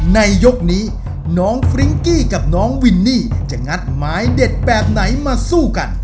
ในยกนี้น้องฟริ้งกี้กับน้องวินนี่จะงัดหมายเด็ดแบบไหนมาสู้กัน